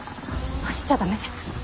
走っちゃ駄目。